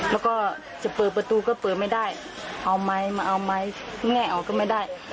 แล้วก็จะเปิดประตูก็เปิดไม่ได้เอาไม้มาเอาไม้แง่ออกก็ไม่ได้